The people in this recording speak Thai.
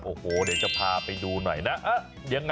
โอ้โหเดี๋ยวจะพาไปดูหน่อยนะ